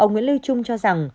ông nguyễn lưu trung cho rằng